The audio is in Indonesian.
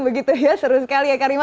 begitu ya seru sekali eka rima